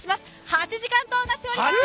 ８時間となっております。